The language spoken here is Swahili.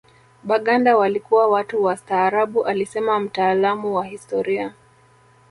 Baganda walikuwa watu wastaarabu alisema mtaalamu wa historia